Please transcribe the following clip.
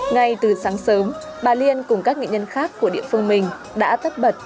ngay từ sáng sớm bà liên cùng các nghị nhân khác của địa phương mình đã thất bật